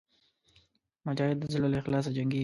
مجاهد د زړه له اخلاصه جنګېږي.